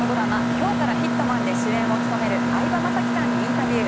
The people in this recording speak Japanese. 「今日からヒットマン」で主演を務める相葉雅紀さんにインタビュー。